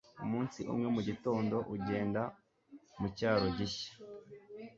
umunsi umwe mugitondo, ugenda mucyaro gishya